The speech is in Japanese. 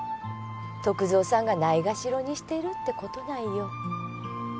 篤蔵さんがないがしろにしてるってことなんよ